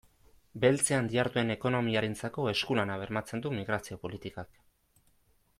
Beltzean diharduen ekonomiarentzako esku-lana bermatzen du migrazio politikak.